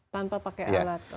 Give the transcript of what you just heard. tanpa pakai alat